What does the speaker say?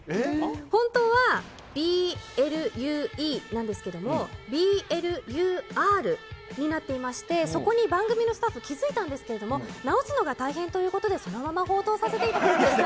本当はＢｌｕｅなんですけども、Ｂｌｕｒになっていましてそこに番組のスタッフ気づいたんですけど、直すのが大変ということでそのまま放送させていただきました。